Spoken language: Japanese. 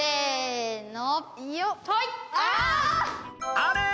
あれ？